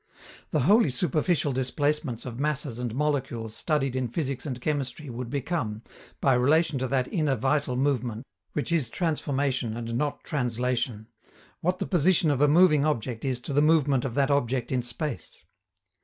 The wholly superficial displacements of masses and molecules studied in physics and chemistry would become, by relation to that inner vital movement (which is transformation and not translation) what the position of a moving object is to the movement of that object in space.